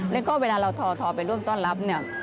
และเวลาเราทอไปร่วมต้อนรับ